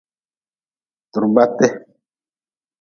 Turbate.